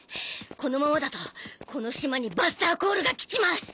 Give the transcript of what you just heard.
このままだとこの島にバスターコールが来ちまう。